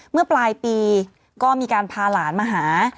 เมื่อปลายปีก็มีการพาหลานมาหา